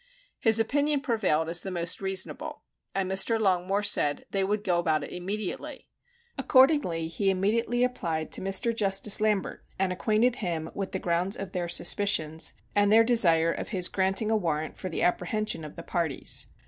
His opinion prevailed as the most reasonable, and Mr. Longmore said they would go about it immediately. Accordingly he immediately applied to Mr. Justice Lambert and acquainted him with the grounds of their suspicions and their desire of his granting a warrant for the apprehension of the parties.